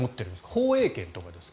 放映権とかですか？